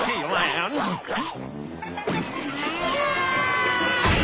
うわ！